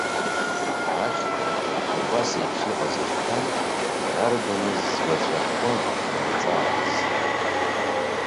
Ахьҭа, аха убасеиԥш иҟаз хьҭан, дарбаныз згәаҵәахы амырҵаарыз.